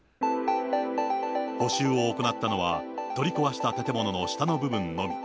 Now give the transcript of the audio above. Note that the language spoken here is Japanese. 補修を行ったのは、取り壊した建物の下の部分のみ。